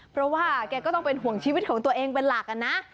เพราะว่าแกก็ต้องเป็นห่วงชีวิตของตัวเองเป็นหลักนะ